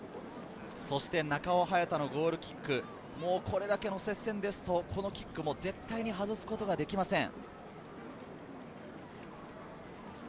中尾隼太のゴールキック、これだけの接戦ですと、このキックも絶対に外すことができません。